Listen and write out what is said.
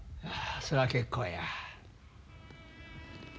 それは結構や。